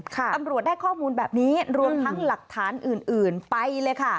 ตำรวจได้ข้อมูลแบบนี้รวมทั้งหลักฐานอื่นไปเลยค่ะ